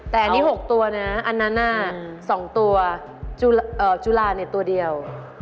แต่อันนี้๖ตัวนะอันนั้น๒ตัวจุลาเนี่ยตัวเดียว